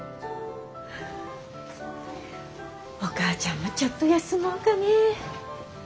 お母ちゃんもちょっと休もうかね。